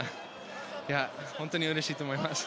本当にうれしいと思います。